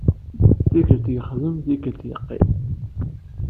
Tikkelt yexdem, tikkelt yeqqim.